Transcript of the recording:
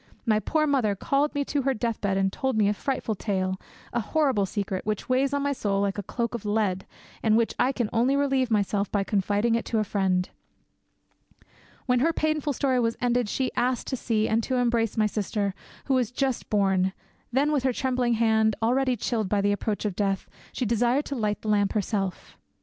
My poor mother called me to her deathbed and told me a frightful tale, a horrible secret, which weighs on my soul like a cloak of lead, and of which I can only relieve myself by confiding it to a friend. When her painful story was ended she asked to see and to embrace my sister, who was just born; then with her trembling hand, already chilled by the approach of death, she desired to light the lamp herself.